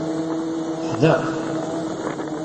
Teḥdeq.